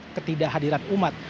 adalah ketidakhadiran umat